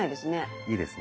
いいですね。